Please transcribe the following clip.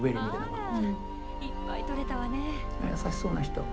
あっ優しそうな人。